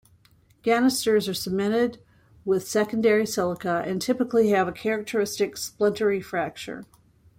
Ganisters are cemented with secondary silica and typically have a characteristic splintery fracture.